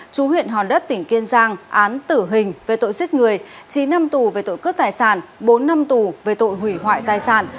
chú huyện hòn đất tỉnh kiên giang án tử hình về tội giết người chín năm tù về tội cướp tài sản bốn năm tù về tội hủy hoại tài sản